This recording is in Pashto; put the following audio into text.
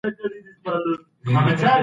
پرون ما خپله لويه ستونزه حل کړه.